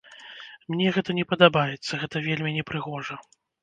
Мне гэта не падабаецца, гэта вельмі непрыгожа.